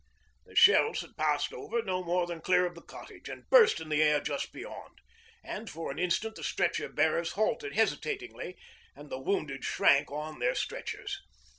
The shells had passed over no more than clear of the cottage, and burst in the air just beyond, and for an instant the stretcher bearers halted hesitatingly and the wounded shrank on their stretchers.